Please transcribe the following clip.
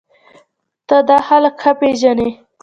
ته دا خلک ښه پېژنې